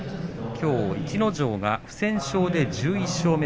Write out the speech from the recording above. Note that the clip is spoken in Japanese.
きょう逸ノ城が不戦勝で１１勝目。